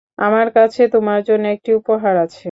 আমার কাছে তোমার জন্য একটি উপহার আছে।